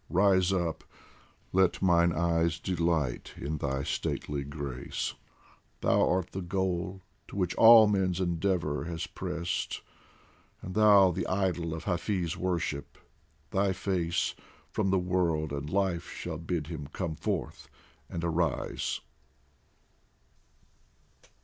Rise up ! let mine eyes delight in thy stately grace ! Thou art the goal to which all men's endeavour has pressed, And thou the idol of Hafiz' worship ; thy face From the world and life shall bid him come forth and arise